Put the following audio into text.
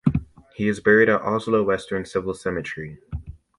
He is buried at Oslo Western Civil Cemetery.